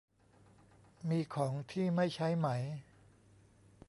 มีของที่ไม่ใช้ไหม